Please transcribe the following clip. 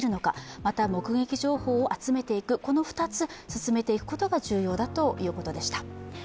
また目撃情報をこの２つを進めていくことが重要だということでした。